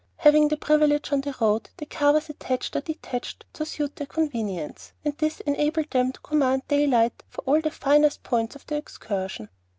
Having the privilege of the road, the car was attached or detached to suit their convenience, and this enabled them to command daylight for all the finest points of the excursion.